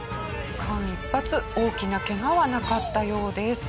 間一髪大きなケガはなかったようです。